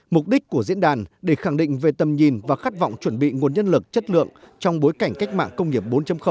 mục đích của diễn đàn để khẳng định về tầm nhìn và khát vọng chuẩn bị nguồn nhân lực chất lượng trong bối cảnh cách mạng công nghiệp bốn